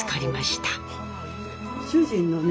主人のね